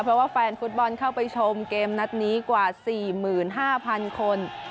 เพราะว่าแฟนฟุตบอลเข้าไปชมเกมนัดนี้กว่า๔๕๐๐๐คน